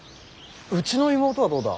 うちの妹はどうだ。